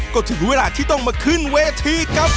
ก็ถึงเวลาที่ต้องมาขึ้นเวทีกับ